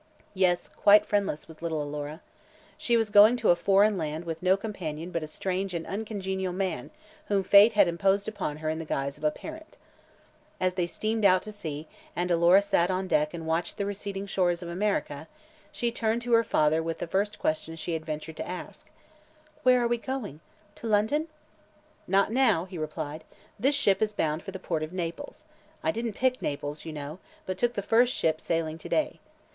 Yes, quite friendless was little Alora. She was going to a foreign land with no companion but a strange and uncongenial man whom fate had imposed upon her in the guise of a parent. As they steamed out to sea and Alora sat on deck and watched the receding shores of America, she turned to her father with the first question she had ventured to ask: "Where are we going? To London?" "Not now," he replied. "This ship is bound for the port of Naples. I didn't pick Naples, you know, but took the first ship sailing to day.